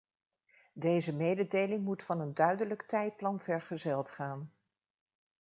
Deze mededeling moet van een duidelijk tijdplan vergezeld gaan.